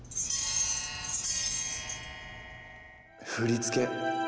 振り付け。